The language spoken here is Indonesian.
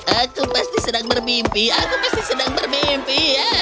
aku pasti sedang bermimpi aku pasti sedang bermimpi ya